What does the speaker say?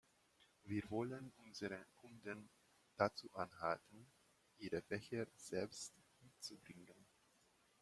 Wir wollen unsere Kunden dazu anhalten, ihre Becher selbst mitzubringen.